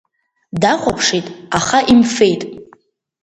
Дахәаԥшит, аха имфеит.